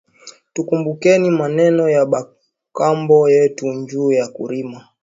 Tukumbukeni maneno ya ba kambo yetu nju ya kurima